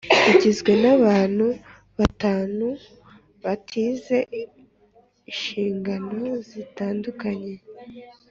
Igizwe n’ abantu batanu batite inshingano zitandukanye